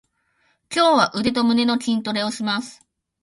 今日は腕と胸の筋トレをします。